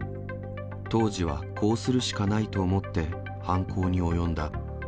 当時はこうするしかないと思って犯行に及んだ。